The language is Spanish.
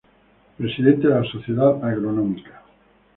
Presidente de la Sociedad Agronómica.